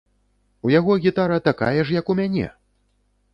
У яго гітара такая ж, як у мяне!